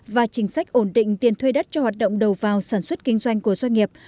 và chính sách ổn định tiền thuê đất cho hoạt động đầu vào sản xuất kinh doanh của doanh nghiệp